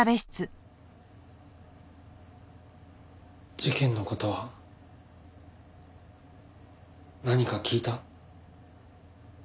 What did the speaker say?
事件の事は何か聞いた？